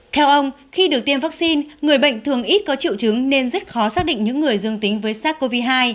theo ông khi được tiêm vaccine người bệnh thường ít có triệu chứng nên rất khó xác định những người dương tính với sars cov hai